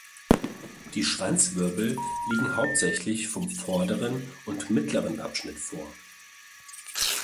Die Schwanzwirbel liegen hauptsächlich vom vorderen und mittleren Abschnitt vor.